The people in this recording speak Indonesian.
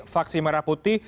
vaksin merah putih